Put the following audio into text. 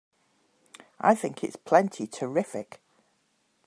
I think it's plenty terrific!